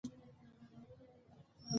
که ټیکنالوژي وکاروو نو کارونه نه ځنډیږي.